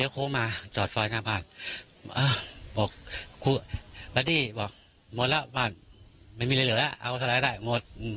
คุณพี่เป็นคนขับเพลิงครับ